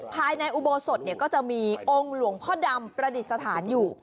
ภายในอุโบสถก็จะมีองค์หลวงพ่อดำประดิษฐานอยู่